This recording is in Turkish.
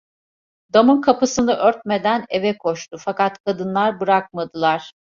Damın kapısını örtmeden eve koştu, fakat kadınlar bırakmadılar.